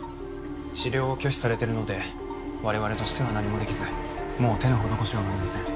治療を拒否されてるので我々としては何もできずもう手のほどこしようはありません。